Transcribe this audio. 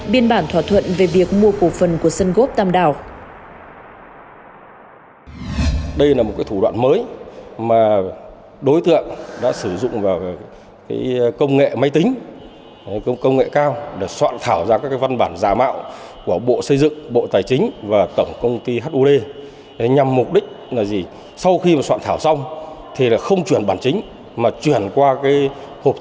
biên bản thỏa thuận về việc mua cổ phần của sân gốp tam đào